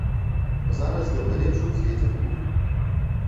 Зараз гэта лепшы ў свеце клуб.